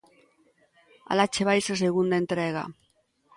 Alá che vai esa segunda entrega.